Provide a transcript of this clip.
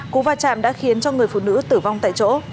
cú va chạm đã khiến cho người phụ nữ tử vong tại chỗ